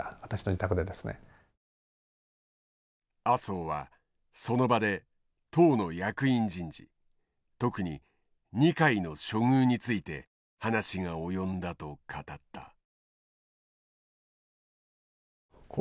麻生はその場で党の役員人事特に二階の処遇について話が及んだと語った。